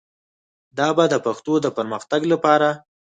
دا به د پښتو د پرمختګ لپاره